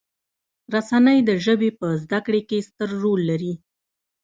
رسنۍ د ژبې په زده کړې کې ستر رول لري.